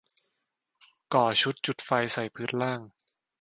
ก่อชุดจุดไฟใส่พื้นล่าง